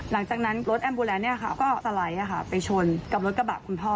หลังจากนั้นรถแอมบูแลนด์ก็สไลด์ไปชนกับรถกระบะคุณพ่อ